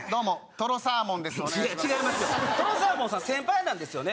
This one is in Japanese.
とろサーモンさん先輩なんですよね